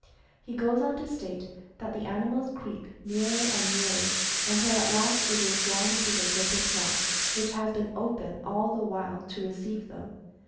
He goes on to state that the animal creeps nearer and nearer, until at last it is drawn into the serpent's mouth, which has been open all the while to receive them.